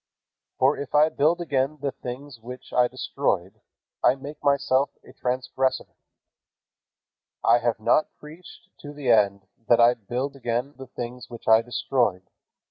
For if I build again the things which I destroyed, I make myself a transgressor. "I have not preached to the end that I build again the things which I destroyed.